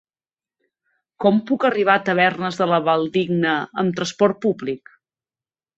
Com puc arribar a Tavernes de la Valldigna amb transport públic?